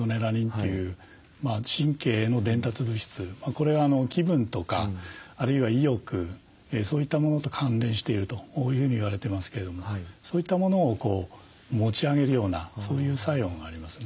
これは気分とかあるいは意欲そういったものと関連しているというふうに言われてますけれどもそういったものを持ち上げるようなそういう作用がありますね。